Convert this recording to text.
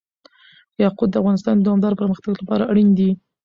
یاقوت د افغانستان د دوامداره پرمختګ لپاره اړین دي.